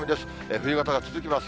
冬型が続きます。